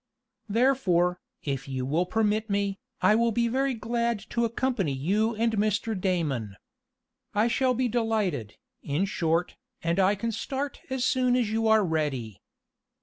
"Therefore, if you will permit me, I will be very glad to accompany you and Mr. Damon. I shall be delighted, in short, and I can start as soon as you are ready."